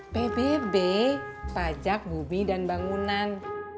pbb pajak bumi dan bangunan